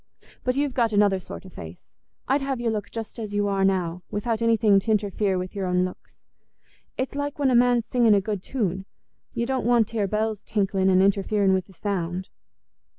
But you've got another sort o' face; I'd have you just as you are now, without anything t' interfere with your own looks. It's like when a man's singing a good tune—you don't want t' hear bells tinkling and interfering wi' the sound."